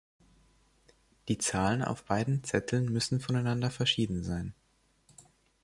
Die Zahlen auf beiden Zetteln müssen voneinander verschieden sein.